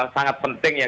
sangat penting ya